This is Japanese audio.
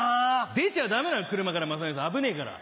出ちゃダメなの車から雅紀さん危ねぇから。